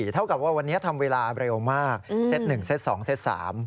เท่ากับว่าวันนี้ทำเวลาเร็วมากเซต๑เซต๒เซต๓